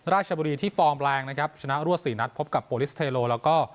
ราชบุรีที่ฟอร์มแรงนะครับชนะรวดสี่นัดพบกับโปรลิสเทโลแล้วก็